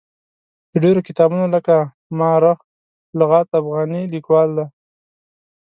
د ډېرو کتابونو لکه ما رخ لغات افغاني لیکوال دی.